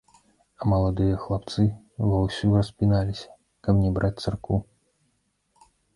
А маладыя хлапцы ва ўсю распіналіся, каб не браць царкву.